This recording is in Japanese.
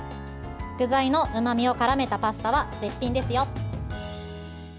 具材のうまみをからめたパスタは絶品ですよ。